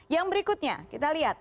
yang berikutnya kita lihat